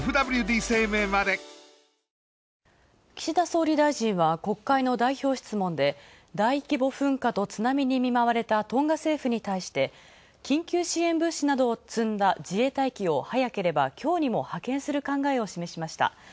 岸田総理大臣は、国会の代表質問で大規模噴火と津波に見舞われたトンガ政府に対して、緊急支援物資などを積んだ自衛隊機を早ければきょうにも派遣する考えを示しました。